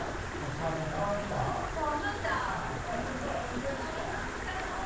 沢田さん来たの？